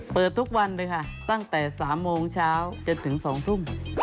เปิดทุกวันเลยค่ะตั้งแต่๓โมงเช้าจนถึง๒ทุ่ม